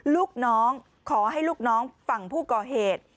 ลูกน้องขอให้ลูกน้องฝั่งผู้ก่อเหตุ